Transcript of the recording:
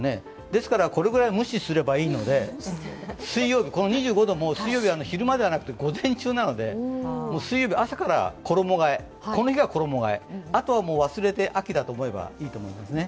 ですから、これぐらいは無視すればいいので、水曜日、２５度も昼間ではなくて午前中なので、水曜日、朝から衣がえこの日は衣がえあとは忘れて秋だと思えばいいと思いますね。